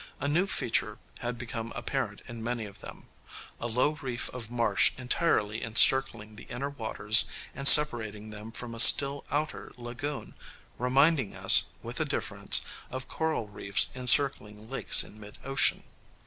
A new feature had become apparent in many of them: a low reef of marsh entirely encircling the inner waters and separating them from a still outer lagoon, reminding us, with a difference, of coral reefs encircling lakes in mid ocean.